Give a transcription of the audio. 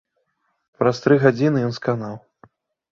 Праз тры гадзіны ён сканаў.